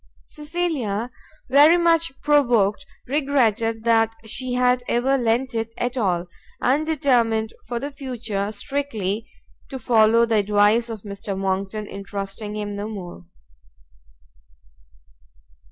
Cecilia, very much provoked, regretted that she had ever lent it at all, and determined for the future strictly to follow the advice of Mr. Monckton in trusting him no more.